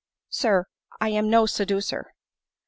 " Sir, I am no seducer."